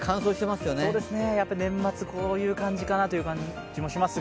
年末こういう感じかなという感じもしますが。